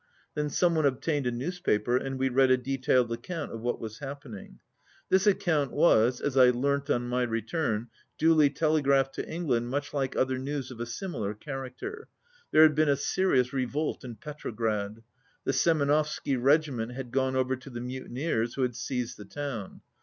Then some one obtained a newspaper and we read a detailed account of what was happening. This account was, as I learnt on my return, duly telegraphed to England like much other news of a similar char acter. There had been a serious revolt in Petro grad. The Semenovsky regiment had gone over to the mutineers, who had seized the town.